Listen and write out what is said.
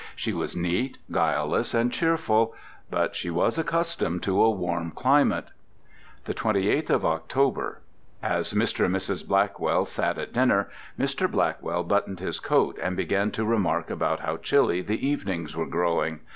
She was neat, guileless, and cheerful. But, she was accustomed to a warm climate. The twenty eighth of October. As Mr. and Mrs. Blackwell sat at dinner, Mr. Blackwell buttoned his coat, and began a remark about how chilly the evenings were growing.